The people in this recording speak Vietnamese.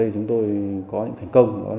chúng tôi có thành công